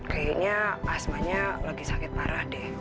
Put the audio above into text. kayaknya asma nya lagi sakit parah deh